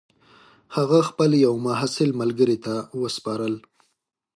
هغه خپل یوه محصل ملګري ته وسپارل.